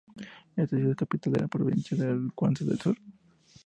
Esta ciudad es capital de la provincia de Cuanza del Sur.